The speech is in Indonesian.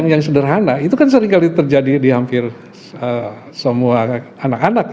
yang sederhana itu kan sering kali terjadi di hampir semua anak anak